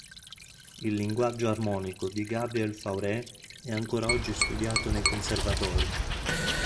Il linguaggio armonico di Gabriel Fauré è ancora oggi studiato nei conservatori.